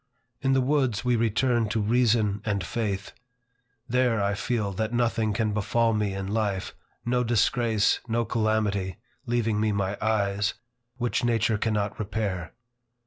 In the woods, we return to reason and faith. There I feel that nothing can befall me in life, no disgrace, no calamity, (leaving me my eyes,) which nature cannot repair.